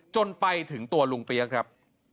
จนไปถึงตัวลุงเปี๊ยกครับ